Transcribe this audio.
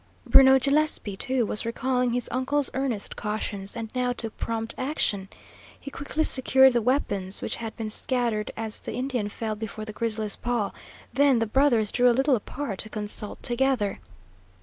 Bruno Gillespie, too, was recalling his uncle's earnest cautions, and now took prompt action. He quickly secured the weapons which had been scattered as the Indian fell before the grizzly's paw, then the brothers drew a little apart to consult together.